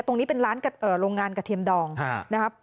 ตรงนี้เป็นร้านโรงงานกระเทียมดองนะครับ